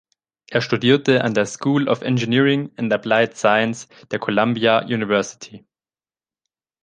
Er studierte an der "School of Engineering and Applied Science" der Columbia University.